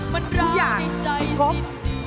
มันรักในใจสิ้นดี